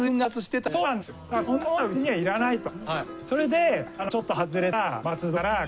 それでちょっと外れた。